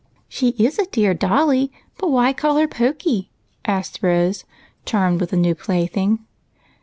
" She is a dear dolly. But why call her Pokey ?" asked Rose, charmed with the new plaything.